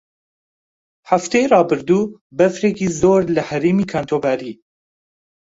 هەفتەی ڕابردوو بەفرێکی زۆر لە هەرێمی کانتۆ باری.